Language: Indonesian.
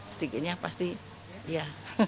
sedikitnya pasti ya